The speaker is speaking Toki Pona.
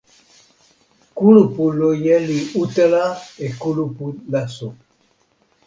kulupu loje li utala e kulupu laso.